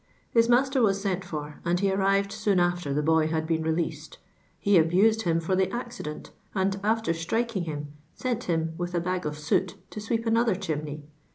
His master was sent for, and he arrived soon after the boy had been released ; he abused him for the accident, and, after striking him, sent him with a bag of soot to sweep another chimney.